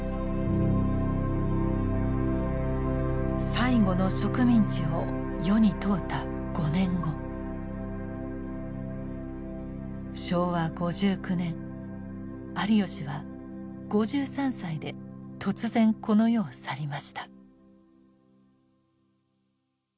「最後の植民地」を世に問うた５年後昭和５９年有吉は５３歳で突然この世を去りました。